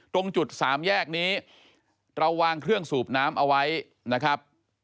ตรงจุดสามแยกนี้เราวางเครื่องสูบน้ำเอาไว้นะครับ